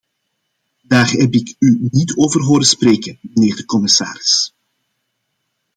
Daar heb ik u niet over horen spreken, mijnheer de commissaris.